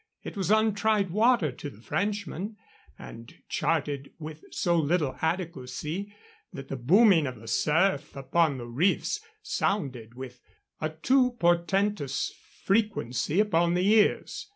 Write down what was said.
It was untried water to the Frenchman, and charted with so little adequacy that the booming of the surf upon the reefs sounded with a too portentous frequency upon the ears.